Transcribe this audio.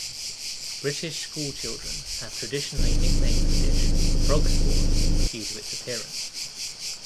British schoolchildren have traditionally nicknamed the dish frog spawn, due to its appearance.